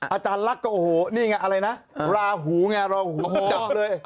อาจารย์ลักษณ์ก็โอ้โหนี่ไงอะไรนะราหูไงราหูจับเลย